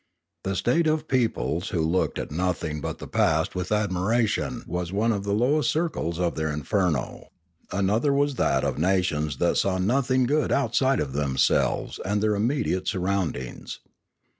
The state of peoples who looked at nothing but the past with admiration was one of the lowest circles of their inferno; another was that of nations that saw nothing good outside of themselves and their immediate sur roundings.